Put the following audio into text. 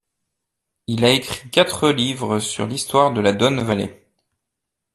Il a écrit quatre livres sur l'histoire de la Don Valley.